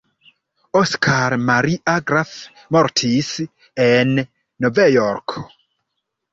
Oskar Maria Graf mortis en Novjorko.